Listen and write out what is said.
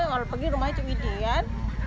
kalau pergi rumahnya cukup ide kan